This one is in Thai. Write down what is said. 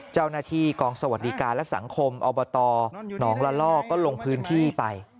เจ้าหน้าที่กองสวัสดิการและสังคมอบตหนองละล่อก็ลงพื้นที่ไป